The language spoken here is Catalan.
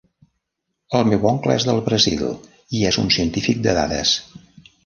El meu oncle és del Brasil i és un científic de dades.